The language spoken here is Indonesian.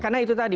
karena itu tadi